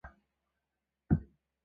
该舰也较两艘姊妹舰稍大及更快。